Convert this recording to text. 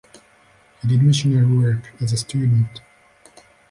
He did missionary work as a student.